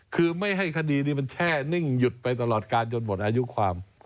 คือไม่ให้คดีนี้มันแช่นิ่งหยุดไปตลอดการจนหมดอายุความ